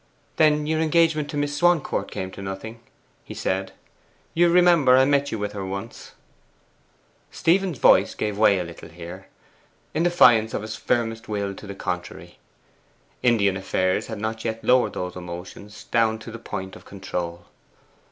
'Then your engagement to Miss Swancourt came to nothing,' he said. 'You remember I met you with her once?' Stephen's voice gave way a little here, in defiance of his firmest will to the contrary. Indian affairs had not yet lowered those emotions down to the point of control.